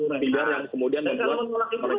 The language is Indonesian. sebenarnya kita akan menolak itu pak fudu